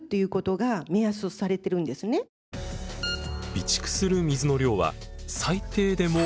備蓄する水の量は最低でも３日分。